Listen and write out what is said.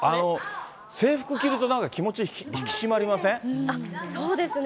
制服着るとなんか、気持ち引き締そうですね。